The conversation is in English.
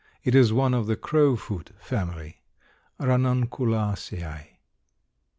It is one of the crowfoot family (Ranunculaceae).